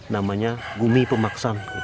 namanya gumi pemaksan